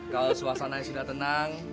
kalau suasananya sudah tenang